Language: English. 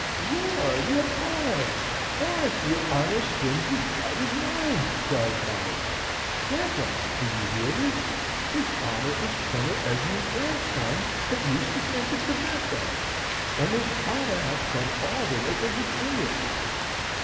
"Lord, your honour! Why, your honour's skin's as white as mine," cries Molly. "Grandfather, do you hear this? His honour is Colonel Esmond's grandson that used to send you tobacco, and his honour have come all the way from Virginia."